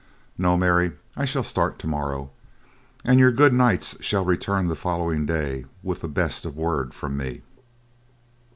No, Mary, I shall start tomorrow and your good knights shall return the following day with the best of word from me."